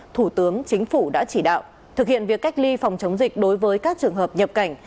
thủ tướng chính phủ đã chỉ đạo thực hiện việc cách ly phòng chống dịch đối với các trường hợp nhập cảnh